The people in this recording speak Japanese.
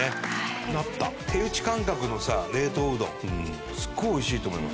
手打ち感覚のさ冷凍うどんすごい美味しいと思います。